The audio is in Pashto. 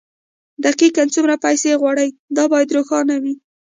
دقيقاً څومره پيسې غواړئ دا بايد روښانه وي.